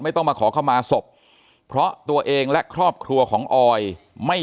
ต้องมาขอเข้ามาศพเพราะตัวเองและครอบครัวของออยไม่